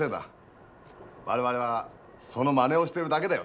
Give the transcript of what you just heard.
我々はそのまねをしてるだけだよな。